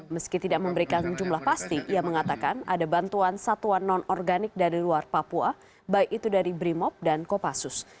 meski tidak memberikan jumlah pasti ia mengatakan ada bantuan satuan non organik dari luar papua baik itu dari brimop dan kopassus